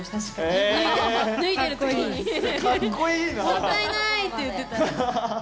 「もったいない！」って言ってたら。